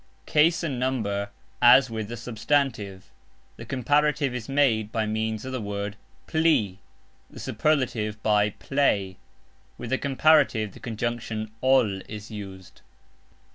Case and number as with the substantive. The Comparative is made by means of the word "pli", the Superlative by "plej"; with the Comparative the conjunction "ol" is used.